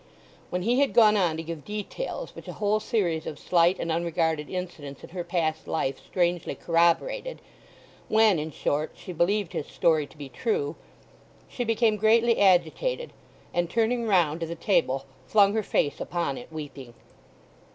When he had gone on to give details which a whole series of slight and unregarded incidents in her past life strangely corroborated; when, in short, she believed his story to be true, she became greatly agitated, and turning round to the table flung her face upon it weeping.